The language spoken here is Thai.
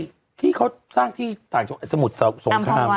ก็ที่เขาสร้างที่สมุทรสงคราม